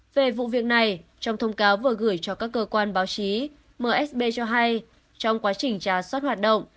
về vụ việc này trong thông cáo vừa gửi cho các cơ quan báo chí msb cho hay trong quá trình trà soát hoạt động